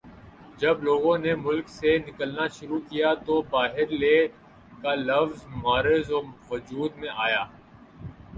جب لوگوں نے ملک سے نکلنا شروع کیا تو باہرلے کا لفظ معرض وجود میں آیا